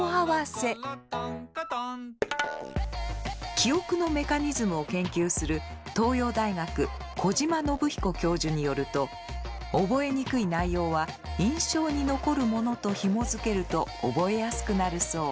記憶のメカニズムを研究する東洋大学児島伸彦教授によると覚えにくい内容は印象に残るものとひもづけると覚えやすくなるそう。